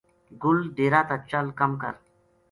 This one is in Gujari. گل ڈیرا تا چل کم کر